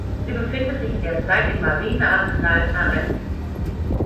Sie befindet sich derzeit im Marinearsenal Tarent.